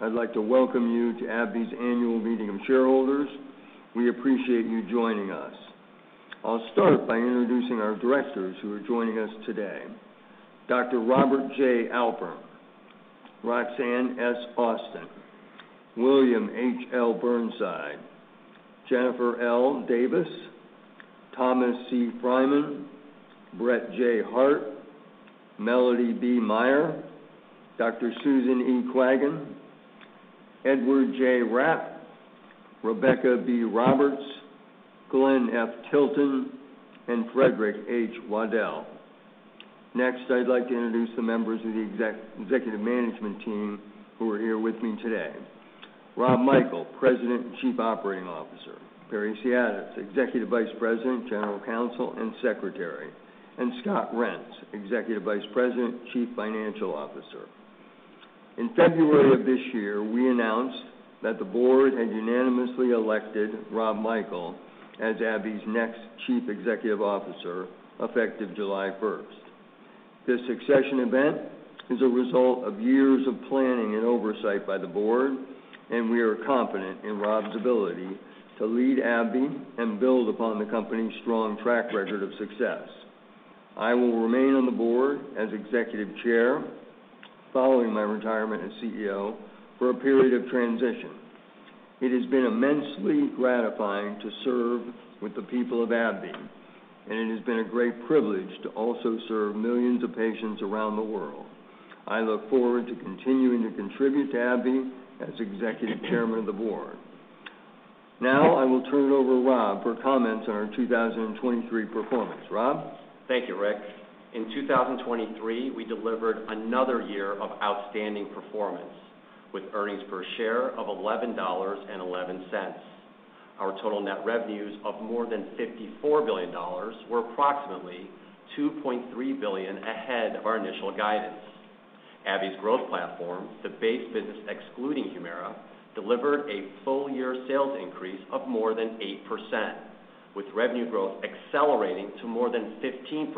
I'd like to welcome you to AbbVie's Annual Meeting of Shareholders. We appreciate you joining us. I'll start by introducing our Directors who are joining us today: Dr. Robert J. Alpern, Roxanne S. Austin, William H.L. Burnside, Jennifer L. Davis, Thomas C. Freyman, Brett J. Hart, Melody B. Meyer, Dr. Susan E. Quaggin, Edward J. Rapp, Rebecca B. Roberts, Glen F. Tilton, and Frederick H. Waddell. Next, I'd like to introduce the members of the executive management team who are here with me today. Rob Michael, President and Chief Operating Officer, Perry Siatis, Executive Vice President, General Counsel, and Secretary, and Scott Reents, Executive Vice President, Chief Financial Officer. In February of this year, we announced that the Board had unanimously elected Rob Michael as AbbVie's next Chief Executive Officer, effective July 1st. This succession event is a result of years of planning and oversight by the Board, and we are confident in Rob's ability to lead AbbVie and build upon the company's strong track record of success. I will remain on the Board as Executive Chairman, following my retirement as CEO, for a period of transition. It has been immensely gratifying to serve with the people of AbbVie, and it has been a great privilege to also serve millions of patients around the world. I look forward to continuing to contribute to AbbVie as Executive Chairman of the Board. Now, I will turn it over to Rob for comments on our 2023 performance. Rob? Thank you, Rick. In 2023, we delivered another year of outstanding performance, with earnings per share of $11.11. Our total net revenues of more than $54 billion were approximately $2.3 billion ahead of our initial guidance. AbbVie's growth platform, the base business excluding Humira, delivered a full year sales increase of more than 8%, with revenue growth accelerating to more than 15%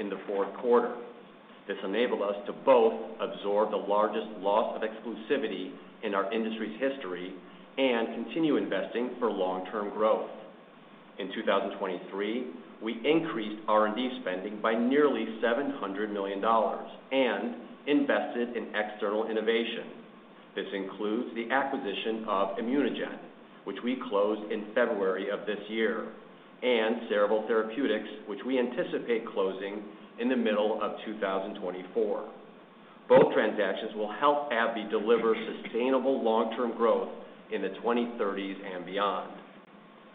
in the fourth quarter. This enabled us to both absorb the largest loss of exclusivity in our industry's history and continue investing for long-term growth. In 2023, we increased R&D spending by nearly $700 million and invested in external innovation. This includes the acquisition of ImmunoGen, which we closed in February of this year, and Cerevel Therapeutics, which we anticipate closing in the middle of 2024. Both transactions will help AbbVie deliver sustainable long-term growth in the 2030s and beyond.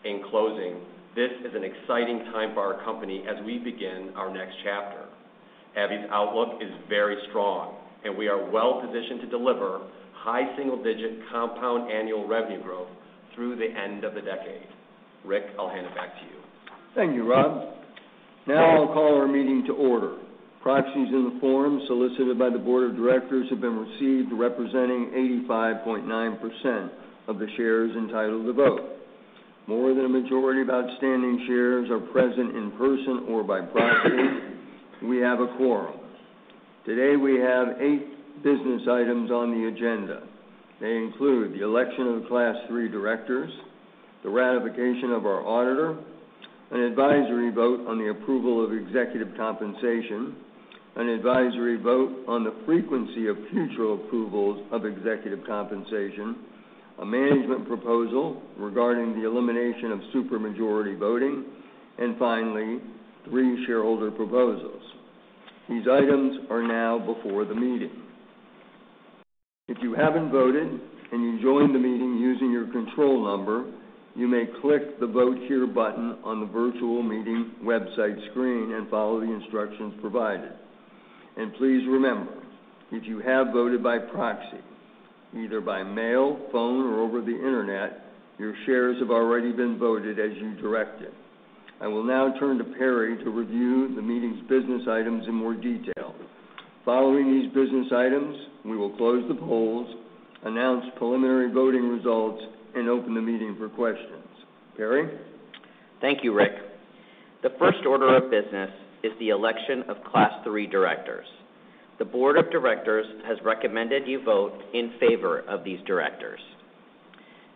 In closing, this is an exciting time for our company as we begin our next chapter. AbbVie's outlook is very strong, and we are well-positioned to deliver high single-digit compound annual revenue growth through the end of the decade. Rick, I'll hand it back to you. Thank you, Rob. Now I'll call our meeting to order. Proxies in the form solicited by the Board of Directors have been received, representing 85.9% of the shares entitled to vote. More than a majority of outstanding shares are present in person or by proxy. We have a quorum. Today, we have eight business items on the agenda. They include the election of Class III Directors, the ratification of our auditor, an advisory vote on the approval of executive compensation, an advisory vote on the frequency of future approvals of executive compensation, a management proposal regarding the elimination of supermajority voting, and finally, three shareholder proposals. These items are now before the meeting. If you haven't voted and you joined the meeting using your control number, you may click the "Vote Here" button on the virtual meeting website screen and follow the instructions provided. Please remember, if you have voted by proxy, either by mail, phone, or over the internet, your shares have already been voted as you directed. I will now turn to Perry to review the meeting's business items in more detail. Following these business items, we will close the polls, announce preliminary voting results, and open the meeting for questions. Perry? Thank you, Rick. The first order of business is the election of Class III Directors. The Board of Directors has recommended you vote in favor of these directors.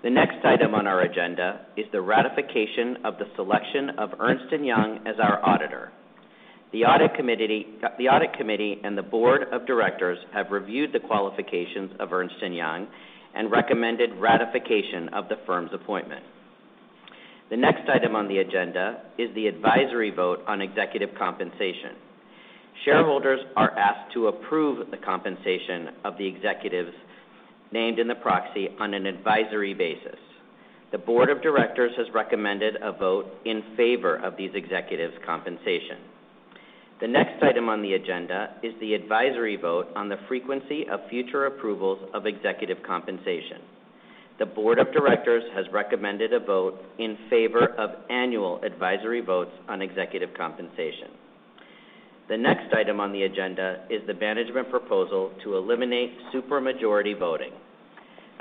The next item on our agenda is the ratification of the selection of Ernst & Young as our auditor. The Audit Committee and the Board of Directors have reviewed the qualifications of Ernst & Young and recommended ratification of the firm's appointment. The next item on the agenda is the advisory vote on executive compensation. Shareholders are asked to approve the compensation of the executives named in the proxy on an advisory basis. The Board of Directors has recommended a vote in favor of these executives' compensation. The next item on the agenda is the advisory vote on the frequency of future approvals of executive compensation. The Board of Directors has recommended a vote in favor of annual advisory votes on executive compensation. The next item on the agenda is the management proposal to eliminate supermajority voting.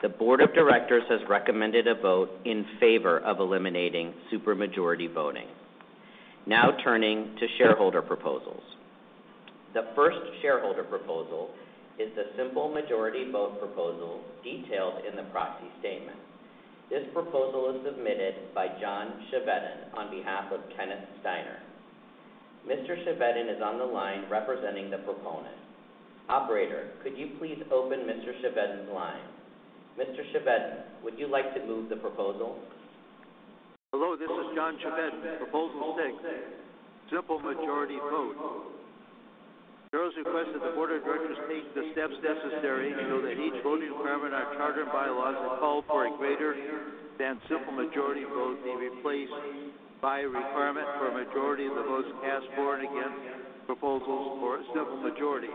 The Board of Directors has recommended a vote in favor of eliminating supermajority voting.... Now turning to shareholder proposals. The first shareholder proposal is the simple majority vote proposal detailed in the proxy statement. This proposal is submitted by John Chevedden on behalf of Kenneth Steiner. Mr. Chevedden is on the line representing the proponent. Operator, could you please open Mr. Chevedden's line? Mr. Chevedden, would you like to move the proposal? Hello, this is John Chevedden, Proposal Six, Simple Majority Vote. Shares request that the Board of Directors take the steps necessary to ensure that each voting requirement on charter bylaws that call for a greater than simple majority vote be replaced by a requirement for a majority of the votes cast for and against proposals or a simple majority.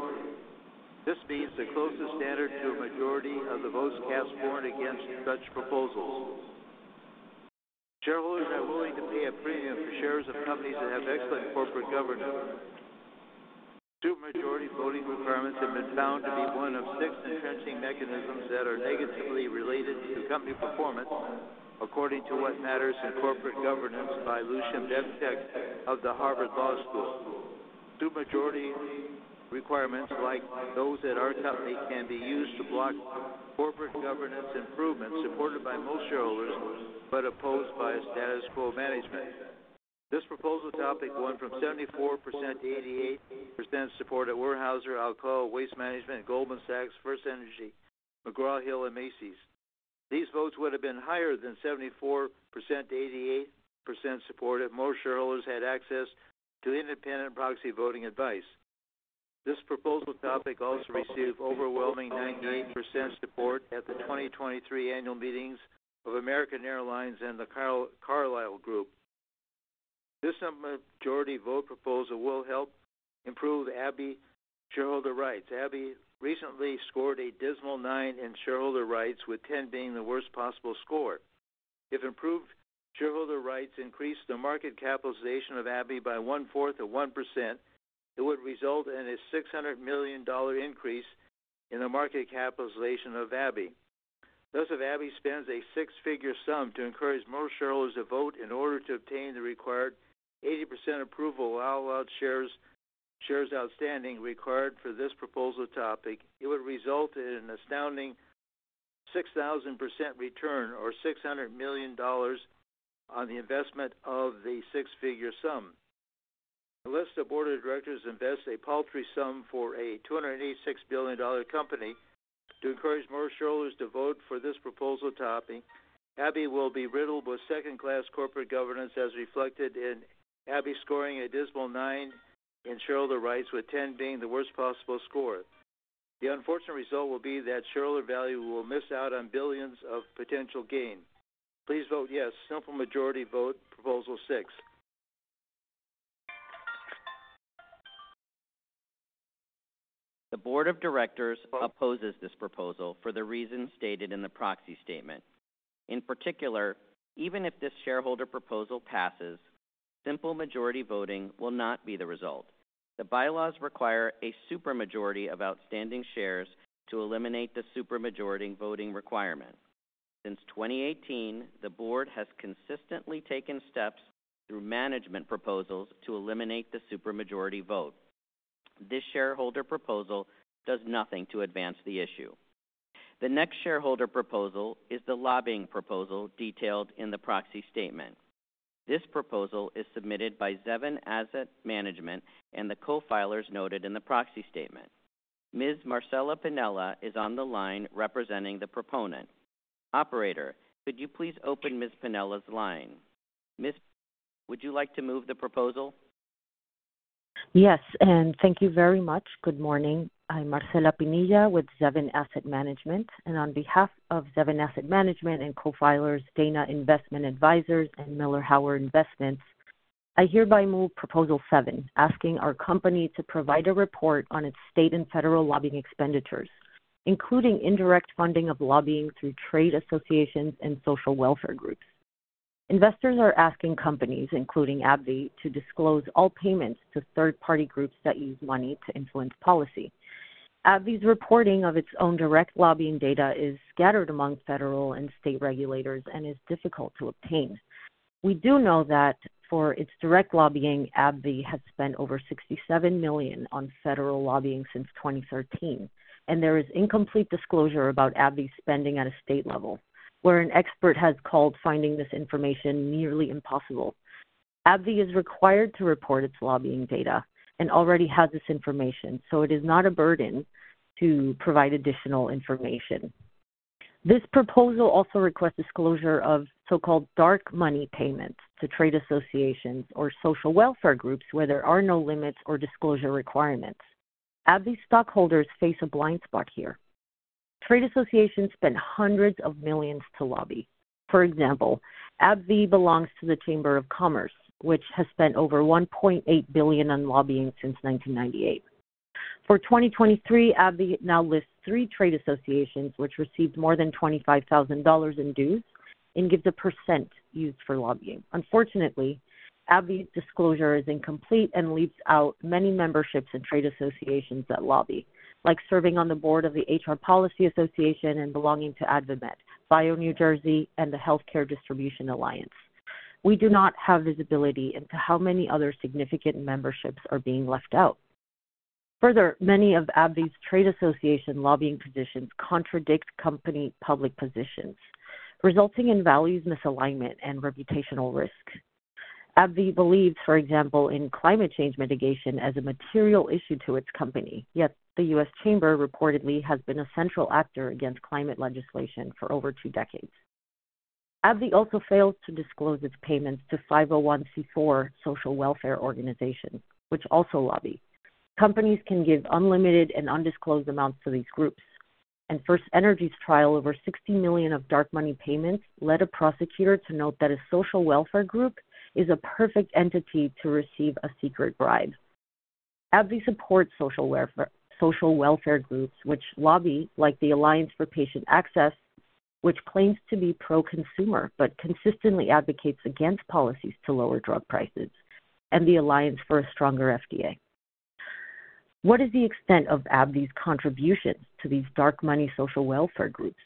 This means the closest standard to a majority of the votes cast for and against such proposals. Shareholders are willing to pay a premium for shares of companies that have excellent corporate governance. Supermajority voting requirements have been found to be one of six entrenching mechanisms that are negatively related to company performance, according to What Matters in Corporate Governance by Lucian Bebchuk of the Harvard Law School. Supermajority requirements, like those at our company, can be used to block corporate governance improvements supported by most shareholders, but opposed by a status quo management. This proposal topic went from 74% to 88% support at Weyerhaeuser, Alcoa, Waste Management, Goldman Sachs, FirstEnergy, McGraw Hill, and Macy's. These votes would have been higher than 74%-88% support if more shareholders had access to independent proxy voting advice. This proposal topic also received overwhelming 98% support at the 2023 annual meetings of American Airlines and The Carlyle Group. This majority vote proposal will help improve AbbVie shareholder rights. AbbVie recently scored a dismal nine in shareholder rights, with 10 being the worst possible score. If improved shareholder rights increased the market capitalization of AbbVie by 1/4 of 1%, it would result in a $600 million increase in the market capitalization of AbbVie. Thus, if AbbVie spends a six-figure sum to encourage more shareholders to vote in order to obtain the required 80% approval of all outstanding shares outstanding required for this proposal topic, it would result in an astounding 6,000% return, or $600 million on the investment of the six-figure sum. Unless the Board of Directors invests a paltry sum for a $286 billion company to encourage more shareholders to vote for this proposal topic, AbbVie will be riddled with second-class corporate governance, as reflected in AbbVie scoring a dismal nine in shareholder rights, with 10 being the worst possible score. The unfortunate result will be that shareholder value will miss out on billions of potential gain. Please vote yes. Simple majority vote, Proposal Six. The Board of Directors opposes this proposal for the reasons stated in the proxy statement. In particular, even if this shareholder proposal passes, simple majority voting will not be the result. The bylaws require a supermajority of outstanding shares to eliminate the supermajority voting requirement. Since 2018, the Board has consistently taken steps through management proposals to eliminate the supermajority vote. This shareholder proposal does nothing to advance the issue. The next shareholder proposal is the lobbying proposal detailed in the proxy statement. This proposal is submitted by Zevin Asset Management and the co-filers noted in the proxy statement. Ms. Marcela Pinilla is on the line representing the proponent. Operator, could you please open Ms. Pinilla's line? Miss, would you like to move the proposal? Yes, and thank you very much. Good morning. I'm Marcela Pinilla with Zevin Asset Management, and on behalf of Zevin Asset Management and co-filers Dana Investment Advisors and Miller/Howard Investments, I hereby move Proposal Seven, asking our company to provide a report on its state and federal lobbying expenditures, including indirect funding of lobbying through trade associations and social welfare groups. Investors are asking companies, including AbbVie, to disclose all payments to third-party groups that use money to influence policy. AbbVie's reporting of its own direct lobbying data is scattered among federal and state regulators and is difficult to obtain. We do know that for its direct lobbying, AbbVie has spent over $67 million on federal lobbying since 2013, and there is incomplete disclosure about AbbVie's spending at a state level, where an expert has called finding this information nearly impossible. AbbVie is required to report its lobbying data and already has this information, so it is not a burden to provide additional information. This proposal also requests disclosure of so-called dark money payments to trade associations or social welfare groups where there are no limits or disclosure requirements. AbbVie stockholders face a blind spot here. Trade associations spend $hundreds of millions to lobby. For example, AbbVie belongs to the Chamber of Commerce, which has spent over $1.8 billion on lobbying since 1998. For 2023, AbbVie now lists three trade associations, which received more than $25,000 in dues and gives a percent used for lobbying. Unfortunately, AbbVie's disclosure is incomplete and leaves out many memberships and trade associations that lobby, like serving on the Board of the HR Policy Association and belonging to AdvaMed, BioNJ, and the Healthcare Distribution Alliance. We do not have visibility into how many other significant memberships are being left out. Further, many of AbbVie's trade association lobbying positions contradict company public positions, resulting in values misalignment and reputational risk. AbbVie believes, for example, in climate change mitigation as a material issue to its company, yet the U.S. Chamber reportedly has been a central actor against climate legislation for over two decades. AbbVie also fails to disclose its payments to 501(c)(4) social welfare organizations, which also lobby. Companies can give unlimited and undisclosed amounts to these groups, and FirstEnergy's trial, over $60 million of dark money payments, led a prosecutor to note that a social welfare group is a perfect entity to receive a secret bribe. AbbVie supports social welfare, social welfare groups which lobby, like the Alliance for Patient Access, which claims to be pro-consumer but consistently advocates against policies to lower drug prices, and the Alliance for a Stronger FDA. What is the extent of AbbVie's contributions to these dark money social welfare groups?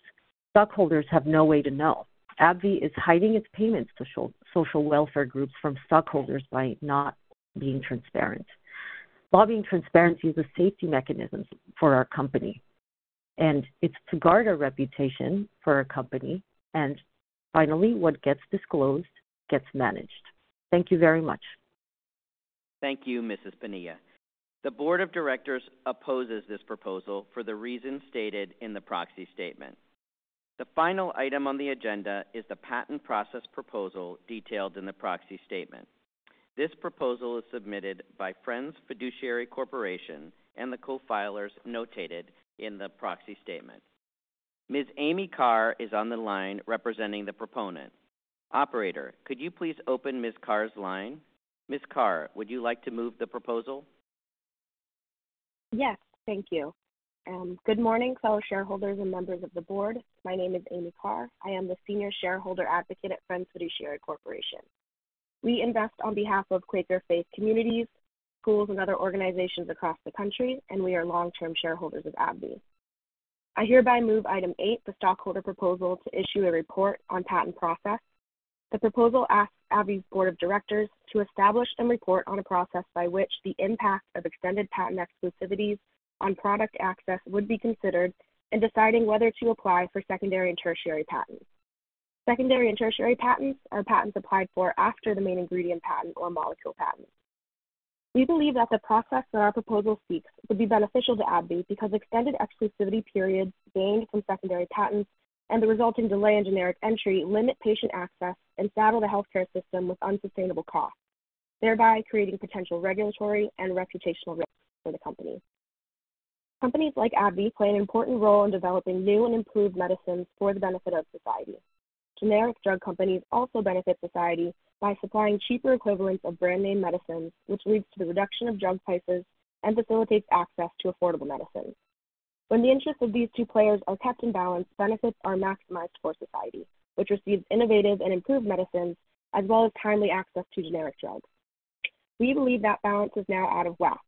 Stockholders have no way to know. AbbVie is hiding its payments to social welfare groups from stockholders by not being transparent. Lobbying transparency is a safety mechanism for our company, and it's to guard our reputation for our company. And finally, what gets disclosed gets managed. Thank you very much. Thank you, Mrs. Pinilla. The Board of Directors opposes this proposal for the reasons stated in the proxy statement. The final item on the agenda is the patent process proposal detailed in the proxy statement. This proposal is submitted by Friends Fiduciary Corporation and the co-filers notated in the proxy statement. Ms. Amy Carr is on the line representing the proponent. Operator, could you please open Ms. Carr's line? Ms. Carr, would you like to move the proposal? Yes, thank you. Good morning, fellow shareholders and members of the Board. My name is Amy Carr. I am the senior shareholder advocate at Friends Fiduciary Corporation. We invest on behalf of Quaker faith communities, schools, and other organizations across the country, and we are long-term shareholders of AbbVie. I hereby move item eight, the stockholder proposal, to issue a report on patent process. The proposal asks AbbVie's Board of Directors to establish and report on a process by which the impact of extended patent exclusivities on product access would be considered in deciding whether to apply for secondary and tertiary patents. Secondary and tertiary patents are patents applied for after the main ingredient patent or molecule patent. We believe that the process that our proposal seeks would be beneficial to AbbVie because extended exclusivity periods gained from secondary patents and the resulting delay in generic entry limit patient access and saddle the healthcare system with unsustainable costs, thereby creating potential regulatory and reputational risks for the company. Companies like AbbVie play an important role in developing new and improved medicines for the benefit of society. Generic drug companies also benefit society by supplying cheaper equivalents of brand-name medicines, which leads to the reduction of drug prices and facilitates access to affordable medicines. When the interests of these two players are kept in balance, benefits are maximized for society, which receives innovative and improved medicines as well as timely access to generic drugs. We believe that balance is now out of whack.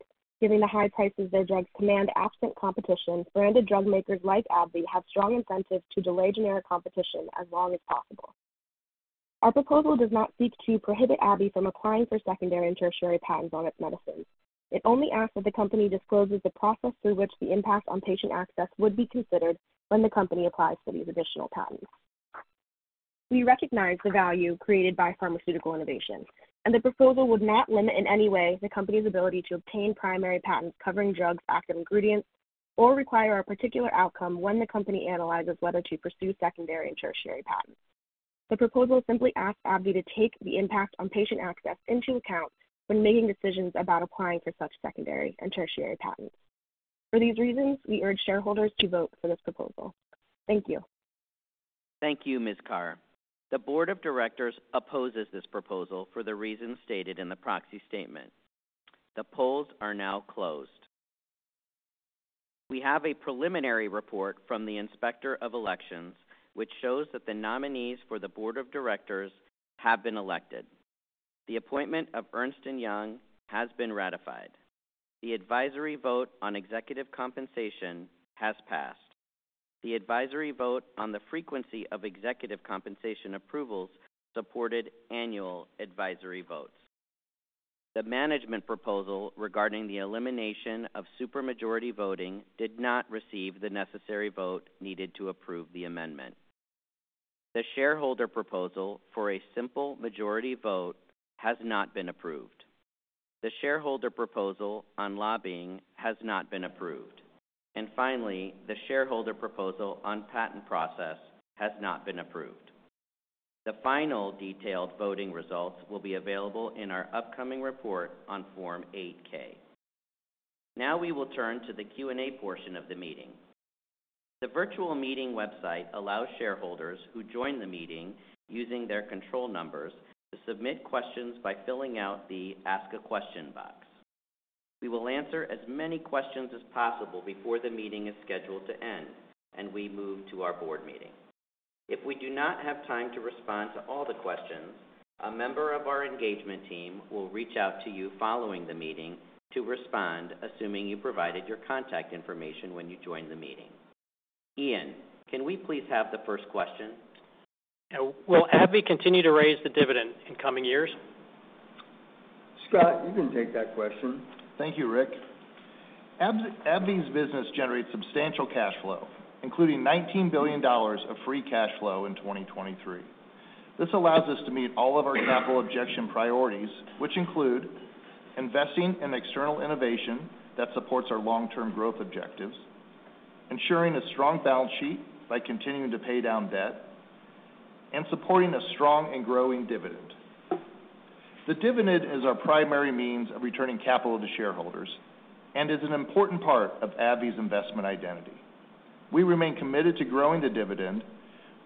Given the high prices their drugs command absent competition, branded drug makers like AbbVie have strong incentives to delay generic competition as long as possible. Our proposal does not seek to prohibit AbbVie from applying for secondary and tertiary patents on its medicines. It only asks that the company discloses the process through which the impact on patient access would be considered when the company applies for these additional patents. We recognize the value created by pharmaceutical innovation, and the proposal would not limit in any way the company's ability to obtain primary patents covering drugs' active ingredients or require a particular outcome when the company analyzes whether to pursue secondary and tertiary patents. The proposal simply asks AbbVie to take the impact on patient access into account when making decisions about applying for such secondary and tertiary patents. For these reasons, we urge shareholders to vote for this proposal. Thank you. Thank you, Ms. Carr. The Board of Directors opposes this proposal for the reasons stated in the proxy statement. The polls are now closed. We have a preliminary report from the Inspector of Elections, which shows that the nominees for the Board of Directors have been elected. The appointment of Ernst & Young has been ratified. The advisory vote on executive compensation has passed. The advisory vote on the frequency of executive compensation approvals supported annual advisory votes. The management proposal regarding the elimination of supermajority voting did not receive the necessary vote needed to approve the amendment. The shareholder proposal for a simple majority vote has not been approved. The shareholder proposal on lobbying has not been approved. And finally, the shareholder proposal on patent process has not been approved. The final detailed voting results will be available in our upcoming report on Form 8-K. Now we will turn to the Q&A portion of the meeting. The virtual meeting website allows shareholders who join the meeting using their control numbers to submit questions by filling out the Ask a Question box. We will answer as many questions as possible before the meeting is scheduled to end and we move to our Board meeting. If we do not have time to respond to all the questions, a member of our engagement team will reach out to you following the meeting to respond, assuming you provided your contact information when you joined the meeting. Ian, can we please have the first question? Will AbbVie continue to raise the dividend in coming years? Scott, you can take that question. Thank you, Rick. AbbVie's business generates substantial cash flow, including $19 billion of free cash flow in 2023. This allows us to meet all of our capital allocation priorities, which include investing in external innovation that supports our long-term growth objectives, ensuring a strong balance sheet by continuing to pay down debt, and supporting a strong and growing dividend. The dividend is our primary means of returning capital to shareholders and is an important part of AbbVie's investment identity. We remain committed to growing the dividend,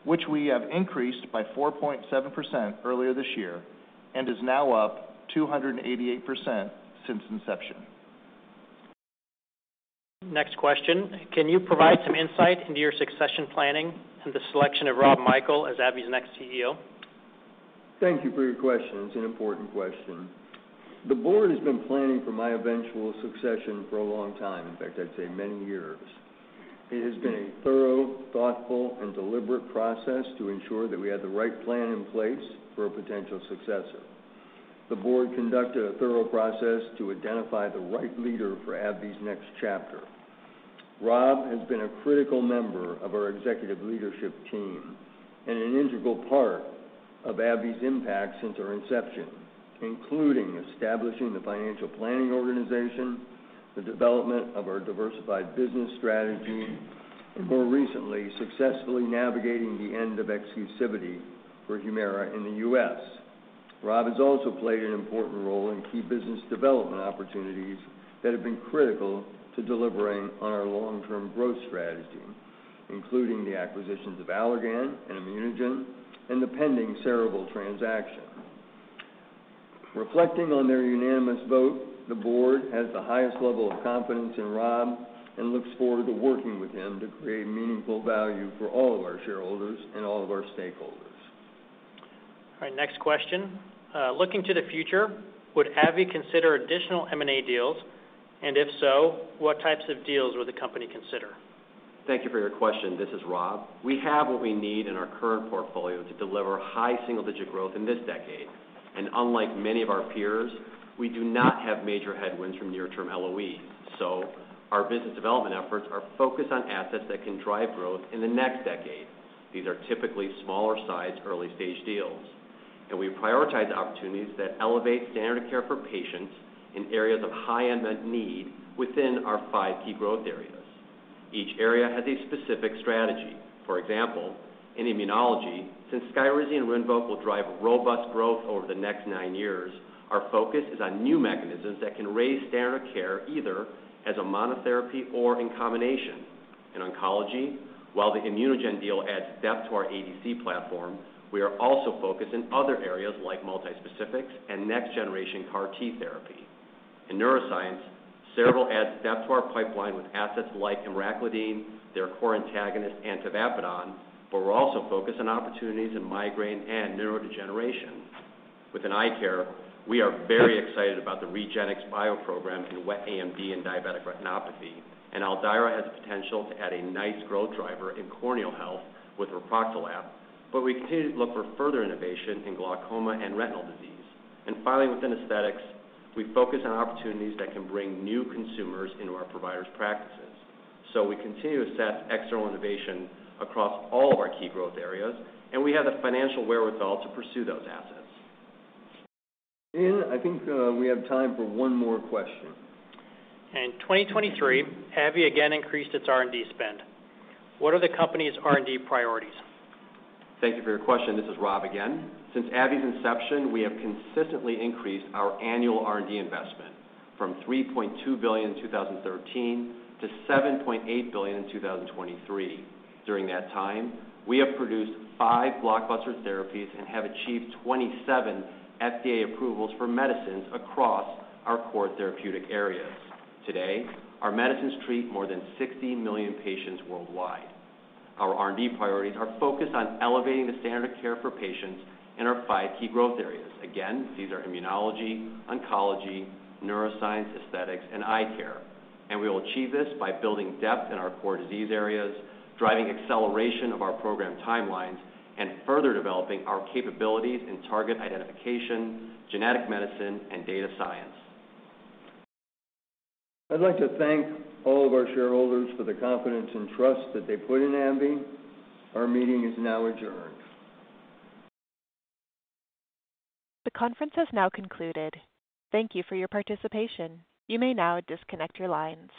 which we have increased by 4.7% earlier this year, and is now up 288% since inception. Next question: Can you provide some insight into your succession planning and the selection of Rob Michael as AbbVie's next CEO? Thank you for your question. It's an important question. The Board has been planning for my eventual succession for a long time, in fact, I'd say many years. It has been a thorough, thoughtful, and deliberate process to ensure that we have the right plan in place for a potential successor. The Board conducted a thorough process to identify the right leader for AbbVie's next chapter. Rob has been a critical member of our executive leadership team and an integral part of AbbVie's impact since our inception, including establishing the financial planning organization, the development of our diversified business strategy, and more recently, successfully navigating the end of exclusivity for Humira in the U.S. Rob has also played an important role in key business development opportunities that have been critical to delivering on our long-term growth strategy, including the acquisitions of Allergan and ImmunoGen and the pending Cerevel transaction. Reflecting on their unanimous vote, the Board has the highest level of confidence in Rob and looks forward to working with him to create meaningful value for all of our shareholders and all of our stakeholders. All right, next question. Looking to the future, would AbbVie consider additional M&A deals? And if so, what types of deals would the company consider? Thank you for your question. This is Rob. We have what we need in our current portfolio to deliver high single-digit growth in this decade. Unlike many of our peers, we do not have major headwinds from near-term LOE. Our business development efforts are focused on assets that can drive growth in the next decade. These are typically smaller-sized, early-stage deals, and we prioritize opportunities that elevate standard of care for patients in areas of high unmet need within our five key growth areas. Each area has a specific strategy. For example, in immunology, since Skyrizi and Rinvoq will drive robust growth over the next nine years, our focus is on new mechanisms that can raise standard of care, either as a monotherapy or in combination. In oncology, while the ImmunoGen deal adds depth to our ADC platform, we are also focused in other areas like multispecifics and next-generation CAR T therapy. In neuroscience, Cerevel adds depth to our pipeline with assets like emraclidine, their core antagonist, tavapadon, but we're also focused on opportunities in migraine and neurodegeneration. Within eye care, we are very excited about the REGENXBIO program in wet AMD and diabetic retinopathy, and Aldeyra has the potential to add a nice growth driver in corneal health with reproxalap, but we continue to look for further innovation in glaucoma and retinal disease. And finally, within aesthetics, we focus on opportunities that can bring new consumers into our providers' practices. So we continue to assess external innovation across all of our key growth areas, and we have the financial wherewithal to pursue those assets. I think, we have time for one more question. In 2023, AbbVie again increased its R&D spend. What are the company's R&D priorities? Thank you for your question. This is Rob again. Since AbbVie's inception, we have consistently increased our annual R&D investment from $3.2 billion in 2013 to $7.8 billion in 2023. During that time, we have produced five blockbuster therapies and have achieved 27 FDA approvals for medicines across our core therapeutic areas. Today, our medicines treat more than 60 million patients worldwide. Our R&D priorities are focused on elevating the standard of care for patients in our five key growth areas. Again, these are immunology, oncology, neuroscience, aesthetics, and eye care, and we will achieve this by building depth in our core disease areas, driving acceleration of our program timelines, and further developing our capabilities in target identification, genetic medicine, and data science. I'd like to thank all of our shareholders for the confidence and trust that they put in AbbVie. Our meeting is now adjourned. The conference has now concluded. Thank you for your participation. You may now disconnect your lines.